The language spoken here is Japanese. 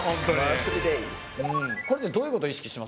これってどういう事を意識してます？